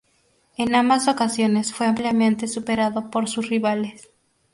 En ambas ocasiones fue ampliamente superado por sus rivales.